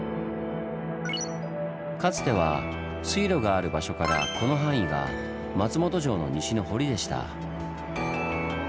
かつては水路がある場所からこの範囲が松本城の西の堀でした。